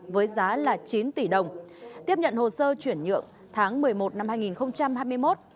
với giá là chín tỷ đồng tiếp nhận hồ sơ chuyển nhượng tháng một mươi một năm hai nghìn hai mươi một